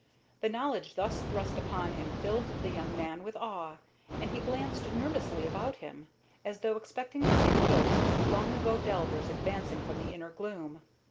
The knowledge thus thrust upon him filled the young man with awe, and he glanced nervously about him, as though expecting to see the ghosts of long ago delvers advancing from the inner gloom.